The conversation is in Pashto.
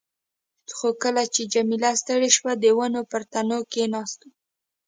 خو کله چې جميله ستړې شوه، د ونو پر تنو کښېناستو.